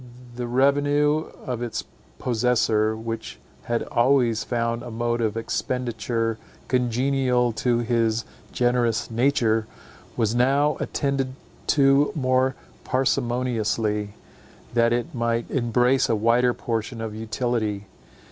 The revenue of its possessor, which had always found a mode of expenditure congenial to his generous nature, was now attended to more parsimoniously, that it might embrace a wider portion of utility.